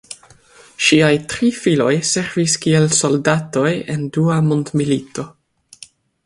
Ŝiaj tri filoj servis kiel soldatoj en Dua mondmilito.